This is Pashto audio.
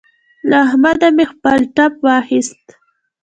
له احمده مې خپل ټپ واخيست.